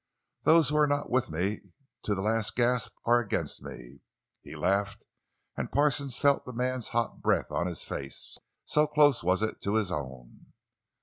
Those who are not with me to the last gasp are against me!" He laughed, and Parsons felt the man's hot breath on his face—so close was it to his own.